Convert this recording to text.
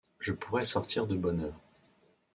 Je pourrai sortir de bonne heure.